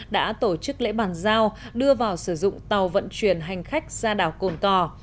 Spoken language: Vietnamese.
đã tổ chức lễ bàn giao đưa vào sử dụng tàu vận chuyển hành khách ra đào cồn cỏ